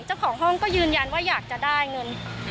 เจ้าของห้องก็ยืนยันว่าอยากจะได้เงิน